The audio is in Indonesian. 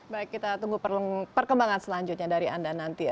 baik kita tunggu perkembangan selanjutnya dari anda nanti ya